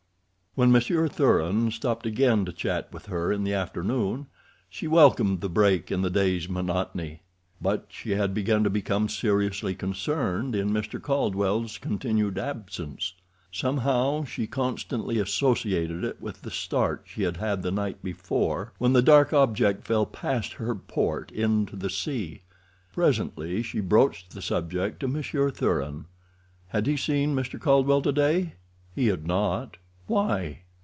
When Monsieur Thuran stopped again to chat with her in the afternoon she welcomed the break in the day's monotony. But she had begun to become seriously concerned in Mr. Caldwell's continued absence; somehow she constantly associated it with the start she had had the night before, when the dark object fell past her port into the sea. Presently she broached the subject to Monsieur Thuran. Had he seen Mr. Caldwell today? He had not. Why?